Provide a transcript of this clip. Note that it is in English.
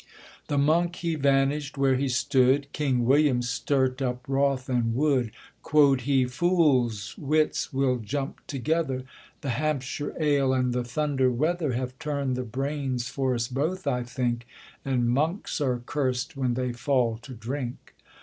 The monk he vanished where he stood; King William sterte up wroth and wood; Quod he, 'Fools' wits will jump together; The Hampshire ale and the thunder weather Have turned the brains for us both, I think; And monks are curst when they fall to drink.